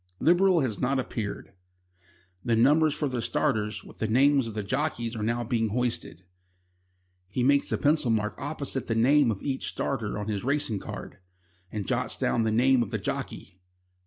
Liberal has not appeared. The numbers of the starters, with the names of the jockeys, are now being hoisted. He makes a pencil mark opposite the name of each starter on his racing card, and jots down the name of the jockey.